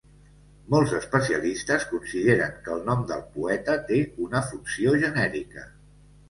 Molts especialistes consideren que el nom del poeta té una funció genèrica.